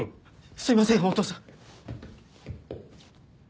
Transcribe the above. すいませんお父さん。